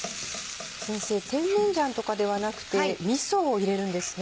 先生甜麺醤とかではなくてみそを入れるんですね。